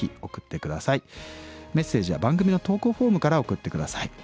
メッセージは番組の投稿フォームから送って下さい。